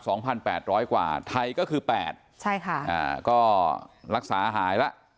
สองพันแปดร้อยกว่าไทยก็คือแปดใช่ค่ะอ่าก็รักษาหายแล้ว